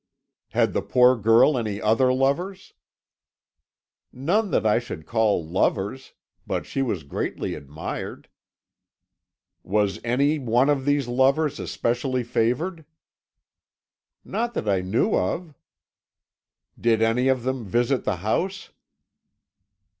"Had the poor girl any other lovers?" "None that I should call lovers. But she was greatly admired." "Was any one of these lovers especially favoured?" "Not that I knew of." "Did any of them visit the house?"